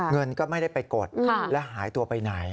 เงินก็ไม่ได้ไปกดและหายตัวไปไหน